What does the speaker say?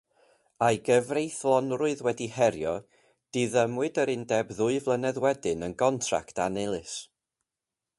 A'i gyfreithlonrwydd wedi herio, diddymwyd yr undeb ddwy flynedd wedyn yn gontract annilys.